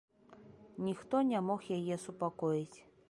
Ніхто не мог яе супакоіць.